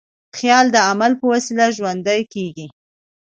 خیال د عمل په وسیله ژوندی کېږي.